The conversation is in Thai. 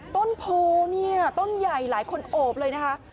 ต้นโพเนี่ยต้นใหญ่หลายคนโอบเลยนะคะ